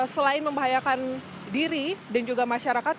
selain membahayakan diri dan juga masyarakat